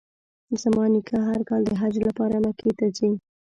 زما نیکه هر کال د حج لپاره مکې ته ځي.